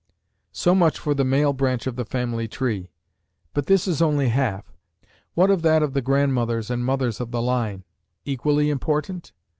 So much for the male branch of the family tree, but this is only half. What of that of the grandmothers and mothers of the line equally important?